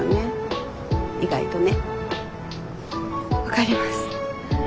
分かります。